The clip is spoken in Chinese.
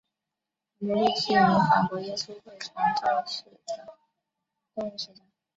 韩伯禄是一名法国耶稣会传教士和动物学家。